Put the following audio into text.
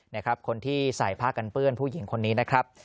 นะครับคนที่ใส่ผ้ากันเปื้อนผู้หญิงคนนี้นะครับ